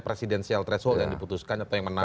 presidensial threshold yang diputuskan atau yang menang